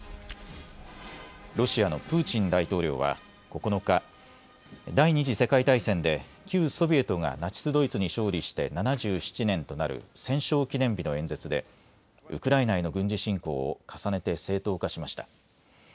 ロシアのプーチン大統領は９日、第２次世界大戦で旧ソビエトがナチス・ドイツに勝利して７７年となる戦勝記念日の演説でウクライナへの軍事侵攻を重ねて正当化しました。